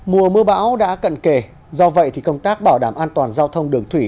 mùa mưa bão đã cận kề do vậy thì công tác bảo đảm an toàn giao thông đường thủy